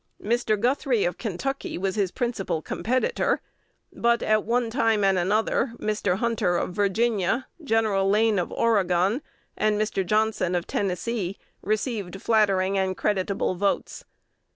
Mr. Guthrie of Kentucky was his principal competitor; but at one time and another Mr. Hunter of Virginia, Gen. Lane of Oregon, and Mr. Johnson of Tennessee, received flattering and creditable votes.